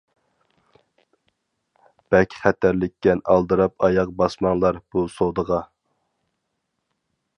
بەك خەتەرلىككەن ئالدىراپ ئاياغ باسماڭلار بۇ سودىغا.